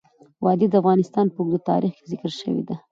وادي د افغانستان په اوږده تاریخ کې ذکر شوی دی.